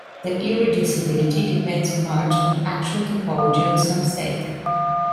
The irreducibility depends much on actual topology on some set.